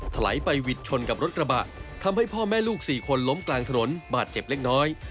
ไหลไปหวิดชนกับรถกระบะทำให้พ่อแม่ลูกสี่คนล้มกลางถนนบาดเจ็บเล็กน้อย